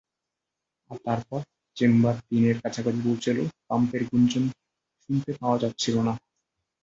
আর তারপর, চেম্বার তিনের কাছাকাছি পৌঁছালে, পাম্পের গুঞ্জন শুনতে পাওয়া যাচ্ছিলো।